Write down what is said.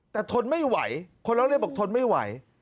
แต่ทนไม่ไหวคนร้องเรียนบอกทนไม่ไหว